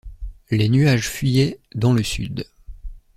Les nuages fuyaient dans le sud.